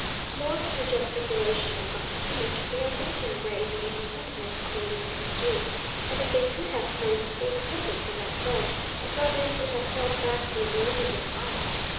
More through gesticulation than by speech, the young Indian brave made his sentiments clearly understood, and if they could have placed full dependence in that pledge, the brothers would have felt vastly relieved in mind.